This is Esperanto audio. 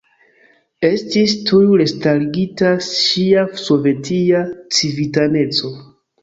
Estis tuj restarigita ŝia sovetia civitaneco.